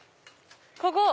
ここ。